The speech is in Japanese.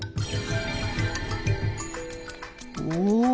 お。